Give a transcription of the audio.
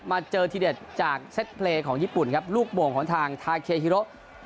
มาเจอทีเด็ดจากเซ็ตเพลย์ของญี่ปุ่นครับลูกโป่งของทางทาเคฮิโร